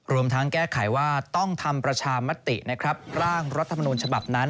รวมทั้งแก้ไขว่าต้องทำประชามติร่างรัฐธรรมนูญฉบับนั้น